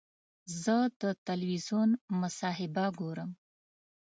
زه د تلویزیون مصاحبه ګورم.